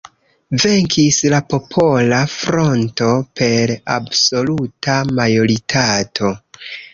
Venkis la Popola Fronto per absoluta majoritato.